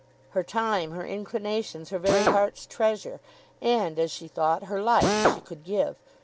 Her time, her inclinations, her very heart's treasure, and, as she thought, her life, she could give.